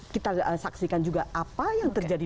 kita saksikan juga apa yang terjadi